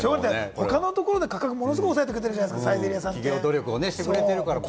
他のところで価格を抑えてくれているじゃないですか。